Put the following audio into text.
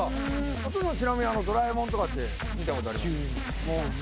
お父さんちなみに『ドラえもん』とかって見た事ありますか？